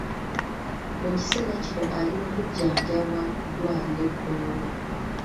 Mu kiseera kino ali mu kujjanjabwa ku ddwaliro e Kololo.